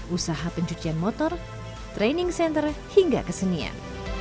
usaha pencucian motor training center hingga kesenian